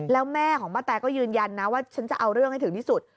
แล้วแม่ของป้าแตก็ยืนยันนะว่าฉันจะเอาเรื่องให้ถึงที่สุด